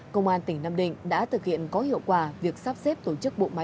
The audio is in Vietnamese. công an tỉnh nam định đã thực hiện có hiệu quả việc sắp xếp tổ chức bộ máy